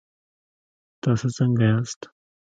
تاسو څنګ ياست؟